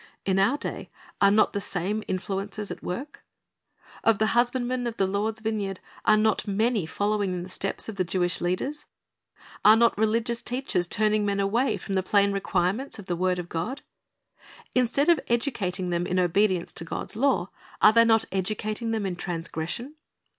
In our day are not the same influences at work? Of the husbandmen of the Lord's vineyard are not many following in the steps of the Jewish leaders? Are not religious teachers turning men away from the plain requirements of the word of God? Instead of educating them in obedience to God's law, are they not educating them in transgression?